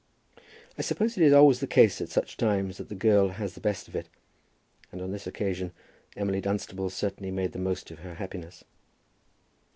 I suppose it is always the case at such times that the girl has the best of it, and on this occasion Emily Dunstable certainly made the most of her happiness.